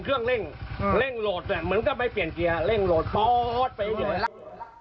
เครื่องเร่งอืมเร่งโหลดเนี้ยเหมือนกับไม่เปลี่ยนเกียร์เร่งโหลดปอดไปอย่างเงี้ย